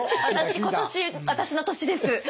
私今年私の年です。